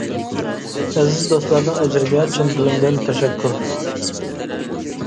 ئەزىز دوستلارنىڭ ئەجرىگە چىن دىلىمدىن تەشەككۈر!